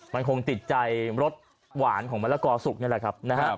มันคงติดใจรสหวานของมะละกอสุกนี่แหละครับนะฮะ